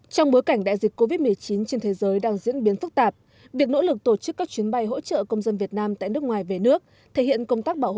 trong bối cảnh đại dịch covid một mươi chín trên thế giới đang diễn biến phức tạp việc nỗ lực tổ chức các chuyến bay hỗ trợ công dân việt nam tại nước ngoài về nước